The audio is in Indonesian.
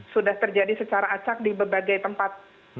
sudah terjadi secara acak di berbagai tempat